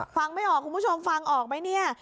ฟังไม่ออกคุณผู้ชมฟังออกไหมเนี่ย